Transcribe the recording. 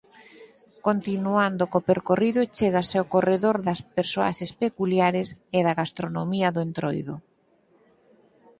Continuando co percorrido chégase ao corredor das «Personaxes peculiares» e da «Gastronomía do Entroido».